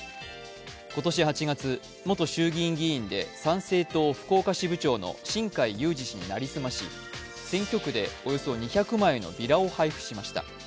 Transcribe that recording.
今年８月、元衆議院議員で参政党福岡支部長の新開裕司氏に成り済まし、およそ２００枚のビラを配布しました。